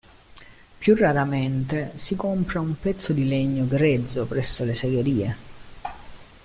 Più raramente si compra un pezzo di legno grezzo presso le segherie.